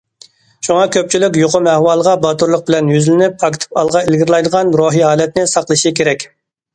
شۇڭا كۆپچىلىك يۇقۇم ئەھۋالىغا باتۇرلۇق بىلەن يۈزلىنىپ، ئاكتىپ ئالغا ئىلگىرىلەيدىغان روھىي ھالەتنى ساقلىشى كېرەك.